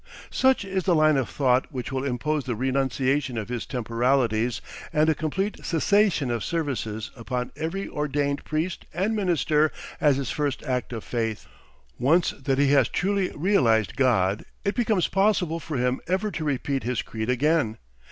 Such is the line of thought which will impose the renunciation of his temporalities and a complete cessation of services upon every ordained priest and minister as his first act of faith. Once that he has truly realised God, it becomes impossible for him ever to repeat his creed again.